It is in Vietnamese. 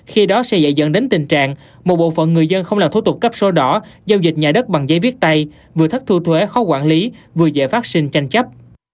khi đó sẽ dạy dẫn đến tình trạng một bộ phận người dân không làm thủ tục cấp sổ đỏ giao dịch nhà đất bằng giấy viết tay vừa thất thu thuế khó quản lý vừa dễ phát sinh tranh chấp